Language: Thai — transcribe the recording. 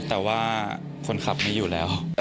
แต่ว่าคนขับไม่อยู่แล้ว